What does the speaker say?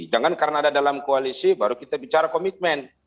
jangan karena ada dalam koalisi baru kita bicara komitmen